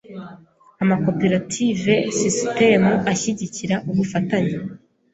amakoperative-sisitemu ashyigikira ubufatanye